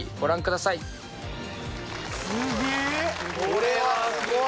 これはすごい！